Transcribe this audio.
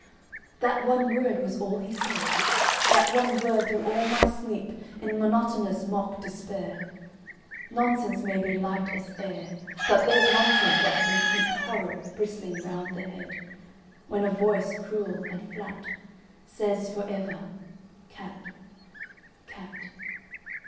…"That one word was all he said, That one word through all my sleep, In monotonous mock despair. Nonsense may be light as air, But there's Nonsense that can keepHorror bristling round the head, When a voice cruel and flatSays for ever, "Cat!… Cat!